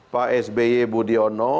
pak sby budiono